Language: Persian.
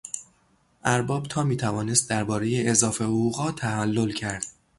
ارباب تا میتوانست دربارهی اضافه حقوقها تعلل کرد.